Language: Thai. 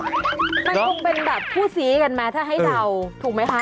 มันคงเป็นแบบคู่ซี้กันไหมถ้าให้เดาถูกไหมคะ